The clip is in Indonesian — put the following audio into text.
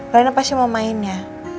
rina pasti mau main ya